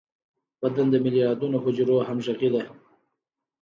بدن د ملیاردونو حجرو همغږي ده.